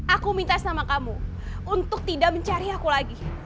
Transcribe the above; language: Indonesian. aku minta sama kamu untuk tidak mencari aku lagi